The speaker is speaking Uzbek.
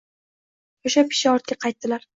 Shosha-pisha ortga qaytdilar